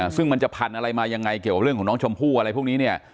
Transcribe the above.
ซึ่งมันจะพันธุ์อะไรมายังไงเกี่ยวกับเรื่องของน้องชมพู่อะไรพวกนี้เนี่ย